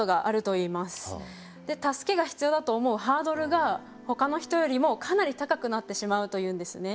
助けが必要だと思うハードルがほかの人よりもかなり高くなってしまうというんですね。